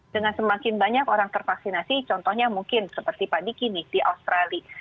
dengan semakin banyak orang tervaksinasi contohnya mungkin seperti pak diki nih di australia